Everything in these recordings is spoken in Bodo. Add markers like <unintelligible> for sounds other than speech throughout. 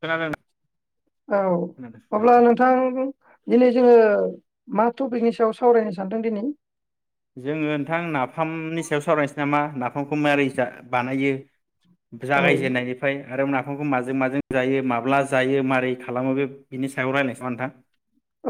खोनादों न? औ अब्ला नोंथां दिनै जोङो मा टपिकनि सायाव सावरायनो सानदों दिनै? जोङो नोंथां नाफामनि सायाव सावरायनोसै नामा नाफामखौ मारै जा बानायो। औ जागाय जेननायनिफ्राय आरो ना फामखौ माजों माजों जायो माब्ला जायो मारै खालामो बे बिनि सायाव रायज्लायसै नामा नोंथां।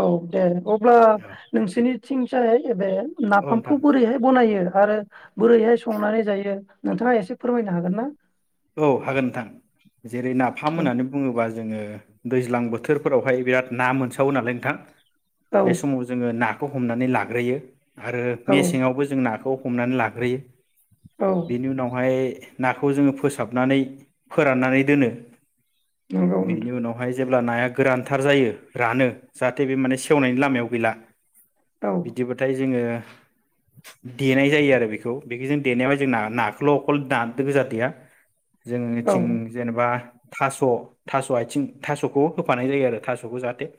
औ दे अब्ला नोंसिनिथिं <unintelligible> एबे औ नोंथां नाफामखौ बोरैहाय बनायो? आरो बोरैहाय संनानै जायो नोंथाङा एसे फोरमायनो हागोन ना? औ हागोन नोंथां। जेरै नाफाम औ होननानै बुङोब्ला जोङो दैज्लां बोथोरफोरावहाय बिराद ना मोनसावो नालाय नोंथां। बे औ समाव जोङो ना खौ हमनानै लाग्रोयो। आरो मेसेङावबो जों नाखौ हमनानै लाग्रोयो। औ बेनि उनावहाय नाखौ जोङो फोसा फोसाबनानै फोराननानै दोनो। नंगौ बेनि उनावहाय जे अब्ला नाया गोरानथार जायो रानो जाहाथे बे माने सेवनायनि लामायाव गैला। नोंथां औ बिदिबाथाय जोङो देनाय जायो आरो बेखौ बेखौजों देनायाव जोंना नाखौल अखल दा गोजा देया। औ जोंनिथिं जेनेबा थास'थास' आयथिं थासखौ होफानाय जायो आरो थास'खौ जाहाथे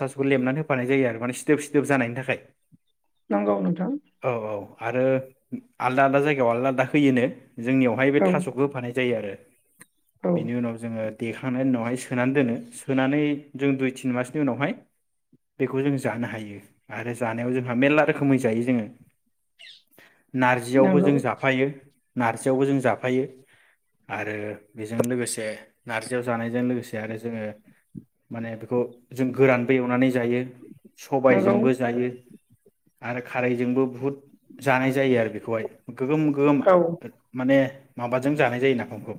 थासखौ लेमनानै होफानाय जायो आरो माने सिदोब सिदोब जानायनि थाखाय। नंगौ नोंथां। औ आरो आलदा आलदा जायगायाव आलदा आलदा होयोनो जोंनियावहाय बे औ थास' जायो आरो। औ बिनि उनाव जोङो देखांनायनि उनावहाय सोनानै दोनो सोनानै जों दुइ तिन मासनि उनावहाय बेखौ जों जानो हायो आरो जानायाव जोंहा मेर्ला रोखोमै जायो जोङो। नारजियावबो नंगौ जों जाफायो। नारजियावबो जों जाफायो। आरो बेजों लोगोसे नारजियाव जानायजों लोगोसे आरो जोङो माने बेखौ जों गोरानबो एवनानै जायो। नंगौ सबायजोंबो जायो। आरो खारैजोंबो बुहुद जानाय जायो आरो बेखौहाय। गोगोम गोगोम औ माने माबा जानाय जायो नाफामखौ।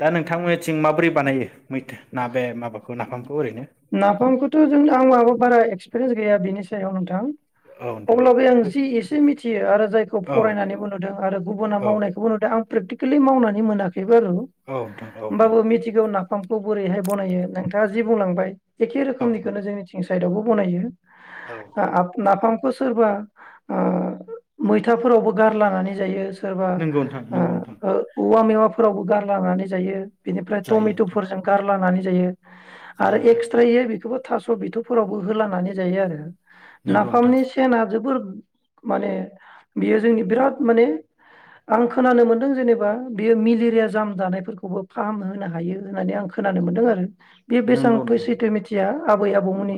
दा नोंथांमोननि थिं माबोरै बानायो मैथा ना बे माबाखौ नाफामखौ ओरैनो नाफामखौथ' जों आं महाबो बारा एक्सपिरियेन्स गैया बेनि सायाव नोंथां। औ नोंथां अब्लाबो आं जि एसे मिथियो आरो जायखौ औ फरायनानैबो नुदों आरो गुबुना औ नोंथां मावनायखौबो नुदों आं प्रेकटिकेलि मावनानै मोनाखै। बे बारु औ नोंथां होमबाबो मिथिगौ ना। फामखौ बोरैहाय बनायो नोंथाङा जि बुंलांबाय एखे औ नोंथां रोखोमैखौ जोंनिथिं साइदआवबो बनायो। औ ना नाफाम सोरबा ओ मैथाफोरावबो गारलानानै जायो। सोरबा नंगौ नोंथां ओ नंगौ नोंथां ओ औवा मेवा फोरावबो गारलानानै जायो। बेनिफ्राय जायो नोंथां टमेटफोरजों गारलानानै जायो जायो नोंथां जायो बेखौबो थास बिथौफोरावबो होलांनानै जायो आरो नाफामनि सेना जोबोर माने बियो जोंनि बिराद माने आं खोनानो मोनदों जेनेबा बियो मेलेरिया जाम जानायफोरखौबो फाहामहोनो हायो होननानै आं खोनानो मोन्दोंआरो बे बेसां नंगौ नोंथां सैथो मिथिया आबै आबौमोननि नंगौ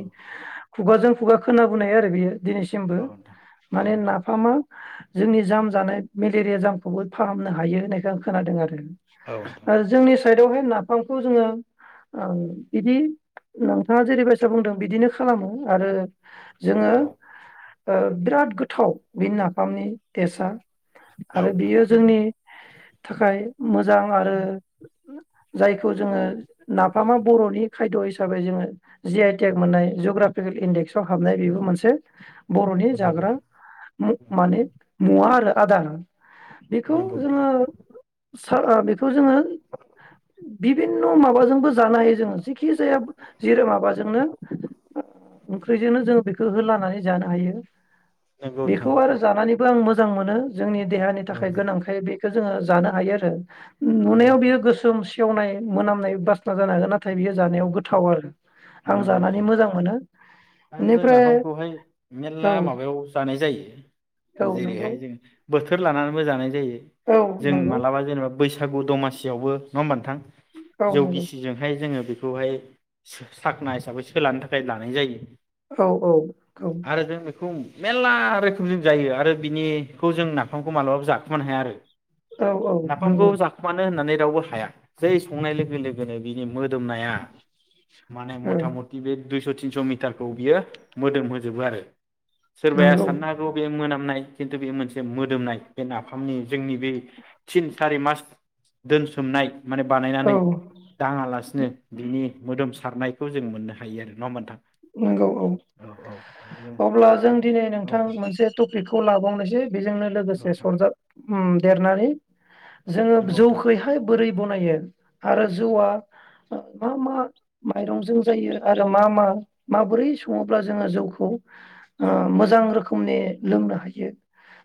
नोंथां औ खुगाजों खुगा खोनाबोनाय आरो बियो दिनैसिमबो औ नोंथां औ माने नोंथां नाफामा जोंनि जाम जानाय मेलेरिया जामखौबो फाहामनो हायो होननायख आं खोनादोंआरो औ नोंथां ओ जोंनि स साइदआवहाय नाफामखौ जोङो ओ बिदि नोंथाङा जेरै बायसा बुंदों बिदिनो खालामो आरो जोङो औ ओ बिराद गोथाव बेनि नाफामनि टेस्टआ औ आरो नोंथां बियो जोंनि थाखाय मोजां आरो जायखौ जोङो नाफामा बरनि खायद हिस हिसाबै जोङो जि आइ तेक मोननाय जग्राफिकेल इन्डेक्स आव हाबनाय बेबो मोनसे बरनि नंगौ जाग्रा नोंथां मु माने मुवाआरो आदार बेखौ नंगौ नोंथां जोङो स सार ओ बेथ थ जोङो बिभिन्न माबाजोंबो जानो हायो जोङो जेखि जाया जिरा माबाजोंनो ओंख्रिजोंनो जों बेखौ होलानानै जानो हायो नंगौ बेखौ नोंथां आरो जानानै आं मोजां मोनो जोंनि देहानि औ थाखाय नोंथां गोनांखाय बे बेखौ जोङो जानो हायोआरो नंगौ नुनायाव नोंथां बेयो गोसोम सि सेवनाय मोनामनाय बासना जानो हागो नाथ नाथाय बेयो उम, जानायाव गोथ आरो आं नंगौ जानानै नोंथां मोजां मोनो आरो जों बेनिफ्राय नाफामखौहाय मेरला औ माबायाव जानाय जायो औ नंगौ जेरैहाय जों बोथोर लानानैबो जानाय जायो औ जों नंगौ मालाबा जेनेबा बैसागु दमासि आवबो नङा होनबा नोंथां औ जौ नंगौ गिसिजोंहाय जोङो बे खौहाय साखना हिसाबै सोलानो थाखाय लानाय जायो औ औ औ। आरो जों बेखौ मेरला रोखोम जों जायो आरो बिनिखौ जों नाफामखौ मालाबाबो जाखोमानो हाया आरो औ औ नाफामखौ नंगौ जाखुमानो होननानै जेरावबो हाया जै संनाय लोगो लोगोनो बिनि मोदोमनाया माने औ मथा मथि बे दुइस' तिनस' मिटारखौ बियो मोदोम होजोबो आरो सोरबाया नंगौ साननो हागौ बे मोनामनाय खिन्थु बे मोनसे मोदोमनाय बे नाफामनि जोंनि बे थिन सारि मास दोनसोमनाय माने औ बानायनानै दाङालासिनो बिनि मोदोम नायखौ जों मोननो हायो आरो नङा होनबा नोंथां? नंगौ औ औ आरो अब्ला जों दिनै नोंथां मोनसे टपिकखौ लाबावनोसै बेजोंनो औ लोगोसे नोंथां सरजाब उम देरनानै जोङो नंगौ नोंथां। जौखौहाय बोरै बनायो आरो जौआ मा मा माइरंजों जायो आरो मा मा माबोरै सङोब्ला जोङो जौखौ ओ मोजां रोखोमनि लोंनो हायो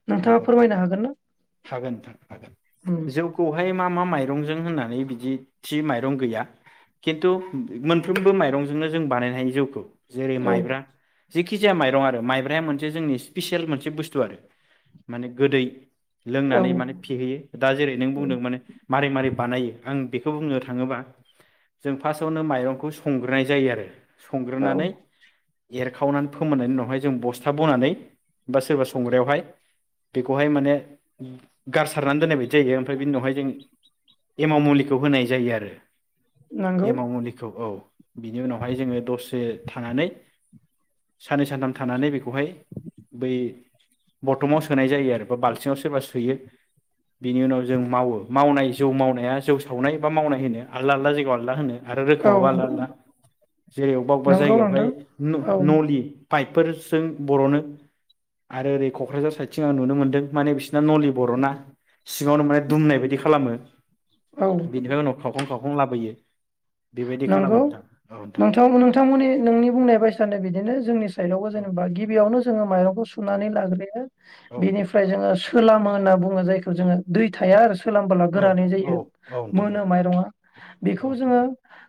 नोंथाङा नंगौ नोंथां, फोरमायनो हागोन ना? हागोन नोंथां हागोन, उम जौखौहाय मा मा माइरंजों होनानै बिदि थि माइरं गैया खिन्थु मोनफ्रोमबो माइरंजोंनो जों बानायनो हायो जौखौ जेरै औ माइब्रा जिखिजाया माइरं आरो माइब्राया मोनसे जोंनि स्पेसियेल मोनसे बुस्थु आरो माने गोदै औ लोंनानै माने फेहोयो दा जेरै नों उम बुंदों माने मारै मारै बानायो आं बेखौ बुंनो थाङोबा जों फार्स्टआवनो माइरंखौ संग्रोनाय जायो आरो औ संग्रोनानै एरखावनानै फोमोननायनि उनावहाय जों बस्था बनानै बा सोरबा संग्रायावहाय बेखौहाय माने गारसारनानै दोननाय बायदि जायो ओमफ्राय बिनि उनावहाय जों एमाव मुलिखौ होनाय जायो आरो नंगौ एमाव मुलिखौ औ। बिनि उनावहाय जोङो दसे थानानै साननै सानथाम थानानै बेखौहाय बै बरथनाव सोनाय जायो आरो बाल्थिङाव सोरबा सोयो बिनि उनाव जों मावो मावनाय जौ मावनाया जौ सावनाय बा मावनाय होनो आलदा आलदा जायगायाव आलदा होनो। आरो औ रोखोमावो आलदा आलदा जेरै बबेबा अबेबा नंगौ जायगायावहाय नोंथां औ नलि पाइपफोरजों बरनो आरो ओरै कक्राझार साइद थिंआव नुनो मोन्दों माने बिसिरना नलि बरना। सिङावनो माने दुमनाय बायदि खालामो। औ बेनिफ्राय उनाव खावखं खावखं लाबोयो। बेबायदि खालामो नंगौ नोंथां नोंथांमोननि नोंनि बुंनाय बायसानो बिदिनो जोंनि साइदबो औ जेनेबा गिबियावनो जोङो माइरंखौ सुनानै लाग्रोयो। नोंथां बेनिफ्राय जोङो सो कोलामो होनना बुङो जायखौ जोङो दै थाया आरो औ फोलानबोलागोरानै औ जायो औ नोंथां औ मोनो माइरङा औ बेखौ जोङो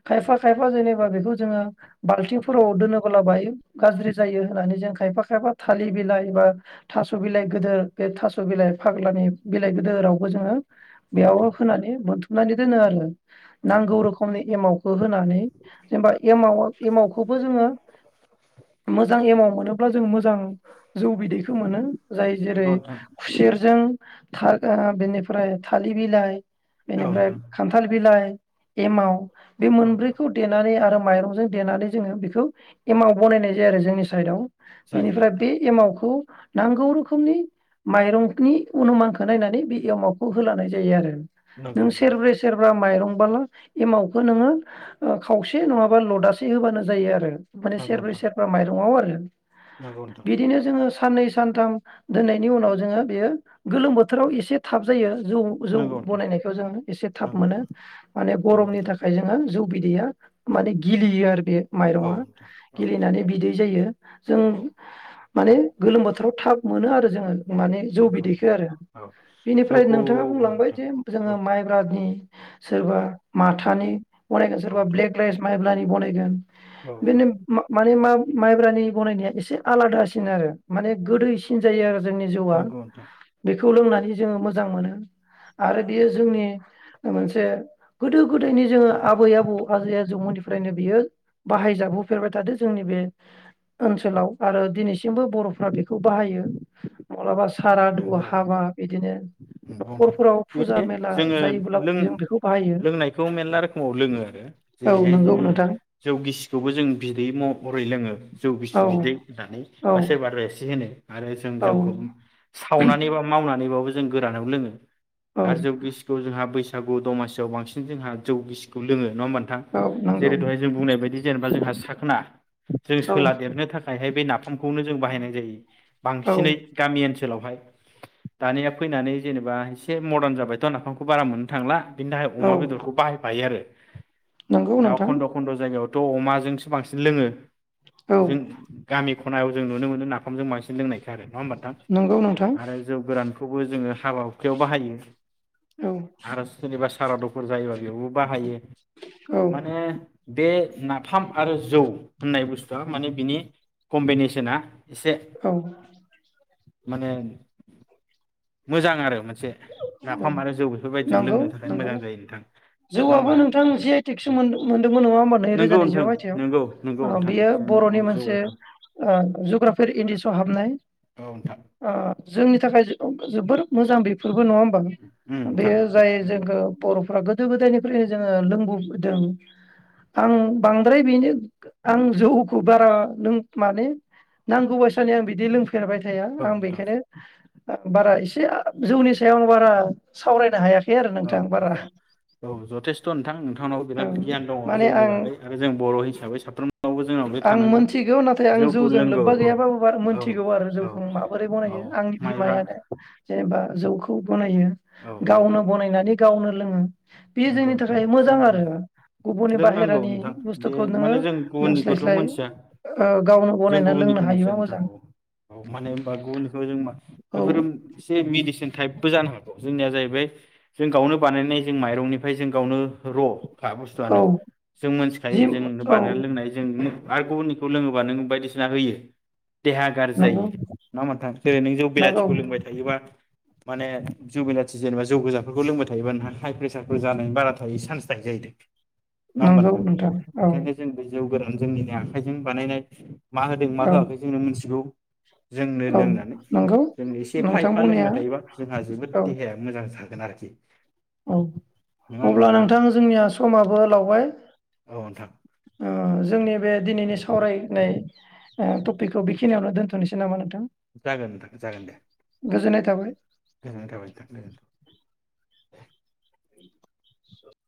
खायफा खायफा जेनबा बेखौ जोङो बाल्थिंफोराव दोनोबोला बाय गाज्रि जायो होननानै जों खायफा खायफा थालिर बिलाइ बा थास बिलाइ गोदोर बे थासबिलाइ फाग्लानि बिलाइ गोदोरावबो जोङो औ नोंथां औ बेयावबो नोंथां फोनानै खोबनानै दोनो आरो। औ नोंथां औ नोंथां नांगौ रोखोमनि एमावखौ होनानै जेनेबा एमावा एमावखौबो जोङो मोजां एमाव मोनोब्ला जों मोजां जौ बिदैखौ मोनो। जाय जेरै नंगौ नोंथां खुसेर जों धागा बेनिफ्राय थालिर बिलाइ औ बेनिफ्राय नोंथां खान्थाल बिलाइ एमाव बे औ नोंथां मोनब्रैखौ देनानै आरो माइरंजों देनानै जोङो बेखौ एमाव बनायनाय जायो आरो जोंनि साइदआव। जायो बेनिफ्राय बे एमावखौ। नांगौ रोखोमनि माइरंकनि अनुमानखौ नायनानै बे एवमावखौ होलानाय जायो आरो। नों नोंथां सेरब्रै सेरब्रा माइरं बाला एमाव खौबो नोङो खावसे नङाबा लदासे होबानो जायो आरो। ओंखायनो नंगौ सेरब्रै नोंथां सेरबा माइरंआव आरो। औ नंगौ नोंथां बिदिनो जोङो साननै सानथाम दोननायनि उनाव जोङो बेयो गोलोम बोथोराव एसे थाब जायो जौ जौ नंगौ नोंथां बनायनायखौ जों एसे थाब नंगौ मोनो माने नोंथां नंगौ गरमनि नोंथां थाखाय जौ बिदैया माने गिलियो आरो बे माइरङा नंगौ नोंथां औ नोंथां औ गिलिनानै बिदै जायो जों औ माने गोलोम बोथोराव थाब मोनो आरो जोङो माने जौ नंगौ बिदैखो नोंथां आरो औ बिनिफ्राय जौखौ नोंथाङा औ बुंलांबाय नोंथां जे जोङो औ माइब्रानि सोरबा माथो <unintelligible> <unintelligible> औ सोरबा नोंथां ब्लेक रायस मा बनायगोन औ नोंथां बेनोम माने मा माइब्रानि बनायनाया एसे आलादासिन आरो माने गोदैसिन जायो आरो जोंनि जौआ नंगौ नोंथां बेख खौ लोंनानै जोङो मोजां मोनो आरो बेयो जोंनि मोनसे गोदो गोदायनि जोङो आबै आबौ आजै आजौमोननिफ्रायनो बियो बाहाय जाबोफेरबाय थादो जोंनि बे ओनसोलाव आरो दिनैसिमबो बरफोरा बेखौ बाहायो मलाबा स सारादु नंगौ हाबा बिदिनो नंगौ नोंथां नखरफोराव फुजा बे मेला जोङो जायोब्ला लों जों बेखौ बाहायो लोंनायखौ मेरला रोखोमाव लोङो आरो औ जेरैहाय नंगौ जोङो नोंथां जौ गिसिखौबो जों बिदै महरै लोङो जौ औ गिसि बिदै होननानै औ बा सोरबा रोसि होनो आरो जों औ जौखौ म सावनानै बा मावना नानैबाबो जों गोरानाव लोङो औ आरो जौ गिसिखौ जोंहा बैस गु दमासियाव बांसिन जोंहा जौ गिसिखौ लोङो नङा होमबा नोंथां औ नंगौ जेरै जों दहाय जों बुंनाय बायदि जेनेबा जोंहा साखना जों औ सोला देरनो थाखाय हाय बे म खौनो जों बाहायनाय जायो औ बांसिनै गामि ओनसो सोलावहाय दानिया फैनानै जेनेबा एसे मदार्न जाबायथ नाफामखौ बारा मोननो थांला बिनि थाखाय औ अमा बेदरखौ बाहायफायो आरो नंगौ दाउ नोंथां खन्द खन्द जायगायाव थ अमाजोंसो बांसिन लोङो औ जों गामि खनायाव जों नुनो मोनो नाफामजों बांसिन लोंनायखो आरो नङा होमबा नोंथां नंगौ नोंथां आरो जौ गोरानखौबो जोङो हाबा हुखायाव बाहायो औ आरो सोरनिबा सारादुखुर जायोबा बेयावबो बाहायो औ माने बे <unintelligible> फाम आरो जौ होननाय बुस्थुआ माने बिनि कम्बेनिसना औ माने मोजां आरो मोनसे औ नाफाम आरो जौ बेफोरबायदिजों नंगौ लोंनो थाखाय नंगौ मोजां जायो नोंथां नङा जौआबो होमबा नोंथां जि आइ टेकसो औ मोनदोंमोन नङा होमबा नंगौ नैरोजा नोंथां नैजिबा नंगौ नंगौ मायथाइयाव। नोंथां बेयो जोंनि बरनि बर' मोनसे जिउआवबो ओ जुग्राफार इन्दिस हाबनाय औ नोंथां अ जोंनि थाखाय जोबोर मोजां बे फोरबो नङा होमबा उम नोंथां बेयो जाय उम जोंखो बर गोदो गोदायनिफ्रायनो जोङो लोंबोदों आं बांद्राय बिनो आं जौखौ बारा लों माने नांगौ बायसानि आं बिदि लों फेरबाय थाया औ आं नोंथां बेखायनो बारा इसे आ जौनि सायाव आं बारा सावरायनो हाया औ नोंथां औ औ जथेस्थ नोंथां नोंथांनाव औ बिराद गियान दङ माने जौनि आं बागै आरो जों बर हिसाबै साफ्रोमनावबो जोंनाव बे आं थानांगौ मोनथिगौ नाथाय आं जौखौ जौजों लोंगौ लोब्बा औ गैयाबाबो बार औ मोनथिगौ आरो औ जौखौ आ माबोरै औ बनायो आंनि माइब्रा बिमायानो जेनेबा जौखौ बनायो औ औ गावनो बनायनानै गावनो लोङो बेयो नंगौ जोंनि नोंथां थाखाय जों मोजां आरो गुबुननि लोंनांगौ बाहेरानि बुस्थुखौ नोङो लों थ मोनथिया जों लोंनो गुबुननिखौ मिथिया हायोबा नोंथां मोजां औ औ मानो हबा गुबुननिखौ जों औ बेफोर इसे थायेबबो जानो हागौ जोंनिया जाहैबाय जों गावनो बानायनाय जों माइ रंनिफ्राय जों गावनो र खा औ बुस्थुआनो जों जि मिथिखायो जों औ बानायनानै लोंनाय जों आरो गुबुननिखौ लोङोबा नों बायदिसिना होयो देहा गाज्रि नंगौ जायो नङा ओमबा नोंथां जेरै नों जौ नंगौ बिलाथिखौ लोंबाय थायोबा माने जौ बिलाथि जेनेबा जौ गोजाफोरखौ लोंबाय थायोबा हाइ प्रेस र फोर जानायनि बारा थायो चान्स थायो जाहैदों। नङा ओमबा नंगौ नोंथां? औ इखायनो जोंबो जौ गोरान जोंनिनो आखाइजों बानायनाय मा होदों मा औ होआखै जोंनो मिथिगौ जोंनो औ लोंनानै नंगौ जों एसे एफा नोंथां एफा बुंनाया लोंबाय थायोबा जोंहा जोबोद औ देहाया मोजां जा गोन आरोखि औ नङा होमबा अब्ला नोंथां जोंनिया समाबो लावबाय औ नोंथां ओ जोंनि बे दिनैनि सावरायनाय ओ टपिकखौ बेखिनियावनो दोनथनोसै नामा नोंथां? जागोन नोंथां जागोन दे, गोजोननाय थाबाय गोजोननाय थाबाय नोंथां गोजोन्थों। <inaudible>